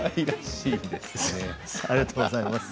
ありがとうございます。